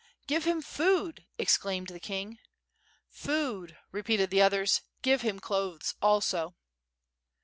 "Give him food," exclaimed the king. "Food," repeated the others, "give him clothes also."